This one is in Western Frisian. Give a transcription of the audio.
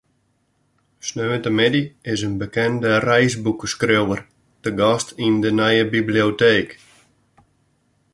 Sneontemiddei is in bekende reisboekeskriuwer te gast yn de nije biblioteek.